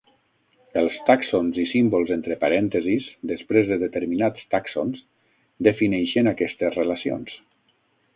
Els tàxons i símbols entre parèntesis després de determinats tàxons defineixen aquestes relacions.